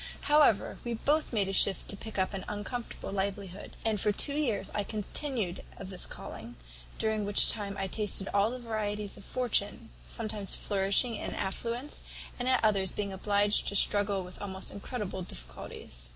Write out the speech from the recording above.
"However, we both made a shift to pick up an uncomfortable livelihood; and for two years I continued of the calling; during which time I tasted all the varieties of fortune, sometimes flourishing in affluence, and at others being obliged to struggle with almost incredible difficulties.